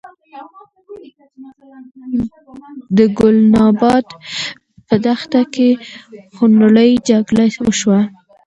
د ګلناباد په دښته کې خونړۍ جګړه وشوه.